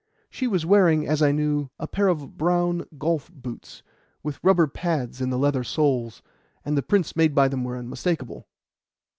She was wearing, as I knew, a pair of brown golf boots, with rubber pads in the leather soles, and the prints made by them were unmistakable.